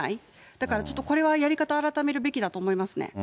だからちょっとこれはやり方改めるべきだと思いますね。